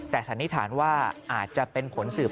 แต่สันนิษฐานว่าอาจจะเป็นผลสืบ